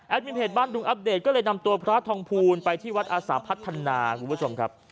มินเพจบ้านดุงอัปเดตก็เลยนำตัวพระทองภูลไปที่วัดอาสาพัฒนาคุณผู้ชมครับ